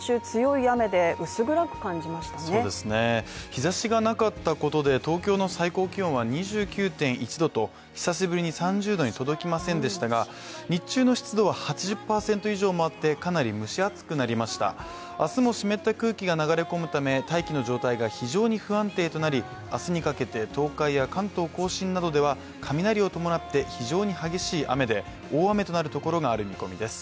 日差しがなかったことで東京の最高気温は２９．１度と、久しぶりに３０℃に届きませんでしたが、日中の湿度は８０％以上もあってかなり蒸し暑くなりました明日も湿った空気が流れ込むため大気の状態が非常に不安定となり、明日にかけて東海や関東甲信などでは雷を伴って非常に激しい雨で大雨となるところがある見込みです。